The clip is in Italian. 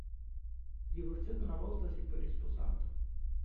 Divorziato una volta, si è poi risposato.